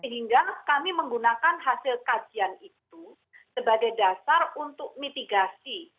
sehingga kami menggunakan hasil kajian itu sebagai dasar untuk mitigasi